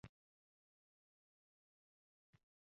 Barra maysadek yumshoq gilamni huzur bilan bosasan